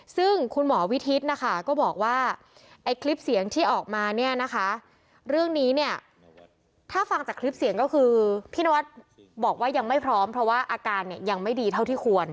ซึ่งคุณหมอวิทิศนะคะก็บอกว่าไอ้คลิปเสียงที่ออกมาเนี่ยนะคะเรื่องนี้เนี่ยถ้าฟังจากคลิปเสียงก็คือพี่นวัดบอกว่ายังไม่พร้อมเพราะว่าอาการเนี่ยยังไม่ดีเท่าที่ควร